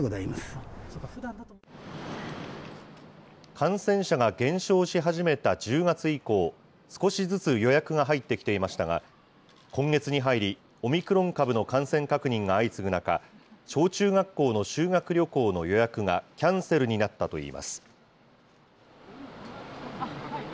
感染者が減少し始めた１０月以降、少しずつ予約が入ってきていましたが、今月に入り、オミクロン株の感染確認が相次ぐ中、小中学校の修学旅行の予約がキャンセルになったといいます。